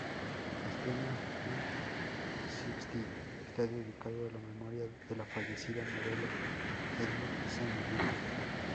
El tema "Fifty-Sixty" está dedicado a la memoria de la fallecida modelo Edie Sedgwick.